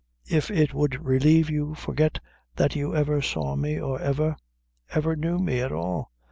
If it would relieve you, forget that you ever saw me, or ever ever knew me at all.